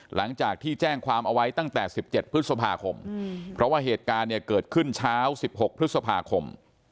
หลังจากที่แจ้งความเอาไว้ตั้งแต่๑๗พฤษภาคมเพราะว่าเหตุการณ์เนี่ยเกิดขึ้นเช้า๑๖พฤษภาคม